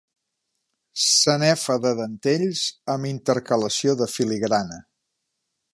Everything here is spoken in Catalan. Sanefa de dentells amb intercalació de filigrana.